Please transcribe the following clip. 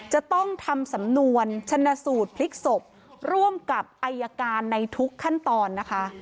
จะต้องทำสำนวนชนะสูตรพลิกศพร่วมกับอายการในทุกขั้นตอนนะคะ